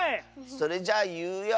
それじゃいうよ！